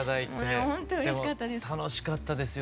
ほんとうれしかったです。